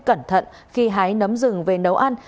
cẩn thận khi hái nấm rừng về nấu ăn